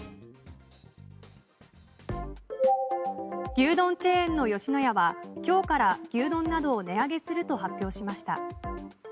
牛丼チェーンの吉野家は今日から牛丼などを値上げすると発表しました。